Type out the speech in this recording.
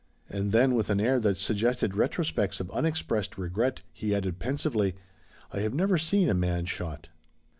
And then with an air that suggested retrospects of unexpressed regret, he added pensively, "I have never seen a man shot."